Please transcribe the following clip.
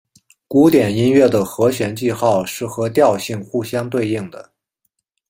古典音乐的和弦记号是和调性互相对应的。